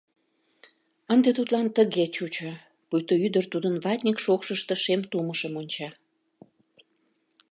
Ынде тудлан тыге чучо: пуйто ӱдыр тудын ватник шокшышто шем тумышым онча.